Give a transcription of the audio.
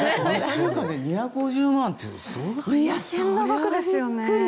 １週間で２５０万円ってすごい額ですよね。